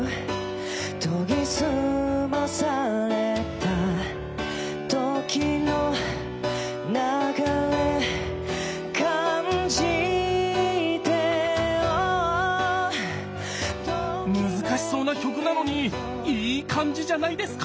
「とぎすまされた時の流れ感じて」「Ａｈ」難しそうな曲なのにイイ感じじゃないですか？